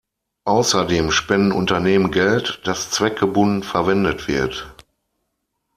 Außerdem spenden Unternehmen Geld, das zweckgebunden verwendet wird.